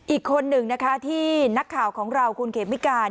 อีกคนหนึ่งนะคะที่นักข่าวของเราคุณเขมิการ